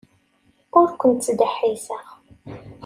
Ur ken-ttdeḥḥiseɣ.